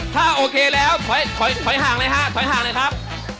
ถ้าโอเคแล้วถอยห่างเลยครับ